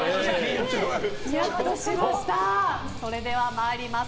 それでは参ります。